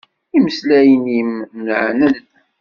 Imeslayen-im meɛnen.